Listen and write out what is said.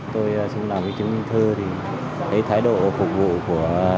tôi xuống đây làm chứng minh thư thì thấy thái độ phục vụ của